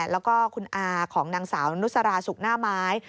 แล้วก็คุณอาของนางสาวนุสราสุกหน้าไม้